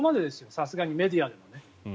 さすがにメディアでは。